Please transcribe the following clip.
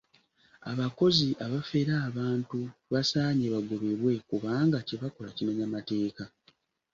Abakozi abafera abantu basaanye bagobebwe kubanga kye bakola kimenya mateeka.